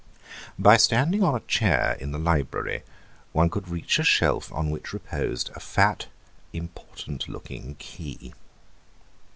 By standing on a chair in the library one could reach a shelf on which reposed a fat, important looking key.